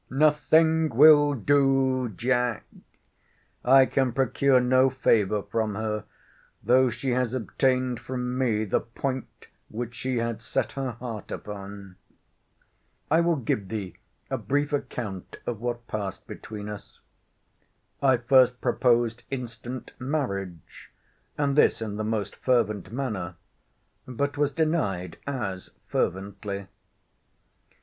Nothing will do, Jack!—I can procure no favour from her, though she has obtained from me the point which she had set her heart upon. I will give thee a brief account of what passed between us. I first proposed instant marriage; and this in the most fervent manner: but was denied as fervently.